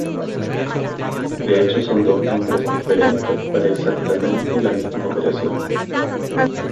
De hecho son dos nombres diferentes para exactamente la misma operación.